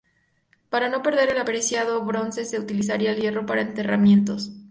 Para no perder el preciado bronce se utilizaría el hierro para enterramientos.